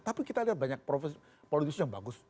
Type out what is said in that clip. tapi kita lihat banyak politikus yang bagus